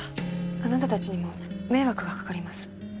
あなたたちにも迷惑がかかります。